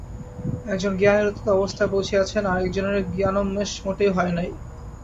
একজন জ্ঞানের অতীত অবস্থায় পৌঁছিয়াছেন, আর একজনের জ্ঞানোন্মেষ মোটেই হয় নাই।